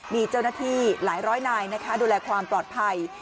มีเจ้าหน้าที่หลายร้อยนายนะคะดูแลความปลอดภัย